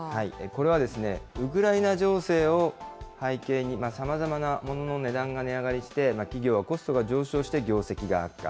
これはウクライナ情勢を背景に、さまざまなものの値段が値上がりして、企業はコストが上昇して業績が悪化。